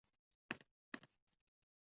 物种分布于东洋界及非洲。